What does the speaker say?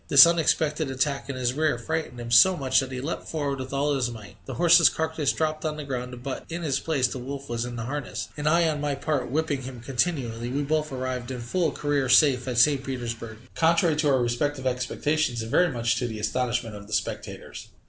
This unexpected attack in his rear frightened him so much that he leapt forward with all his might, the horse's carcass dropped on the ground, but in his place the wolf was in the harness, and I on my part whipping him continually, we both arrived in full career safe at St. Petersburg, contrary to our respective expectations, and very much to the astonishment of the spectators.